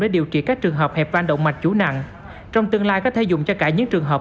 để điều trị các trường hợp hẹp van động mạch chủ nặng trong tương lai có thể dùng cho cả những trường hợp